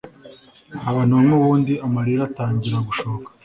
ahantu hamwe ubundi amarira atangira gushoka